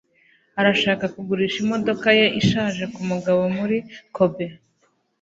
Arashaka kugurisha imodoka ye ishaje kumugabo muri Kobe.